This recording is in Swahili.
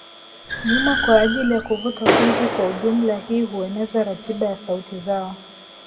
nyuma kwa ajili ya kuvuta pumzi Kwa ujumla hii hueneza ratiba ya sauti zao